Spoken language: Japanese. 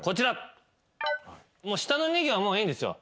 下の２行はもういいんですよ。